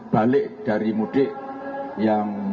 balik dari mudik yang